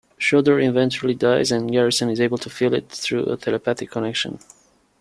Schroeder eventually dies and Garrison is able to feel it through a telepathic connection.